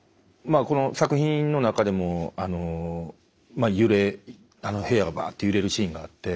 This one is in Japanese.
この作品の中でも揺れ部屋がバッて揺れるシーンがあって。